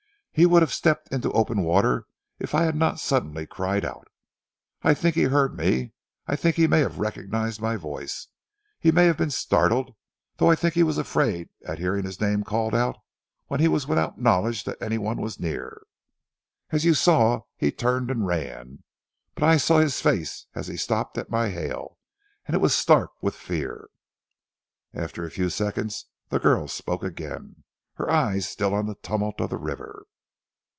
He would have stepped into open water if I had not suddenly cried out. I think he heard me, I think he may have recognized my voice. He may have been startled, though I think he was afraid at hearing his name called out when he was without knowledge that any one was near. As you saw he turned and ran, but I saw his face as he stopped at my hail, and it was stark with fear." After a few seconds the girl spoke again, her eyes still on the tumult of the river.